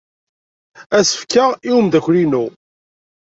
Asefk-a i umeddakel-inu.